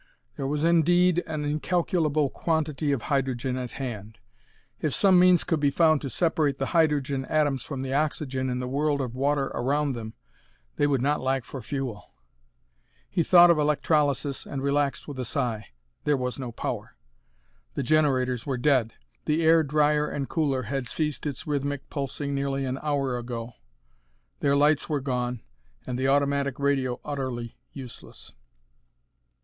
There was indeed an incalculable quantity of hydrogen at hand. If some means could be found to separate the hydrogen atoms from the oxygen in the world of water around them they would not lack for fuel. He thought of electrolysis, and relaxed with a sigh. There was no power. The generators were dead, the air drier and cooler had ceased its rhythmic pulsing nearly an hour ago. Their lights were gone, and the automatic radio utterly useless.